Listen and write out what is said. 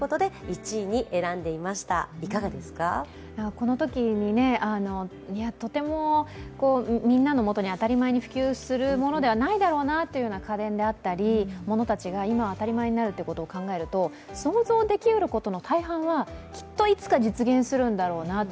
このときに、とてもみんなのもとに当たり前に普及するものではないだろうなという家電であったり、物たちが今当たり前になるということを考えると想像できうることの大半が、きっといつか実現するんだろうなと